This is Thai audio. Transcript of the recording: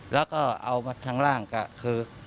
แล้วก็เอามาทางร่างก็คือ